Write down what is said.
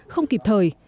không kịp thời